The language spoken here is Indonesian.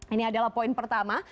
ini adalah poin pertama